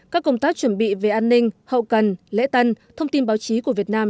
các công tác chuẩn bị về an ninh hậu cần lễ tân thông tin báo chí của việt nam